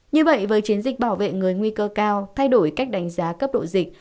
như vậy với chiến dịch bảo vệ người nguy cơ cao thay đổi cách đánh giá cấp độ dịch